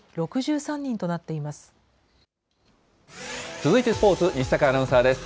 続いてスポーツ、西阪アナウンサーです。